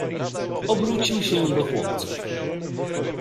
"Obrócił się do chłopców."